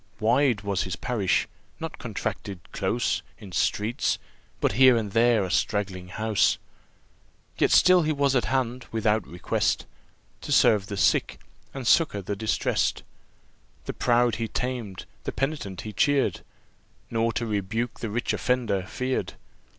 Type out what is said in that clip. Wide was his parish, not contracted close In streets but here and there a straggling house. Yet still he was at hand, without request, To serve the sick, and succour the distressed. The proud he tamed, the penitent he cheer'd, Nor to rebuke the rich offender fear'd.